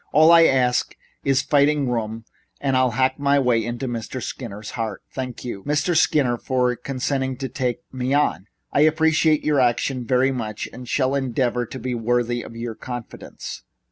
"All I ask is fighting room and I'll hack my way into Mr. Skinner's heart. Thank you, Mr. Skinner, for consenting to take me on. I appreciate your action very, very much and shall endeavor to be worthy of your confidence."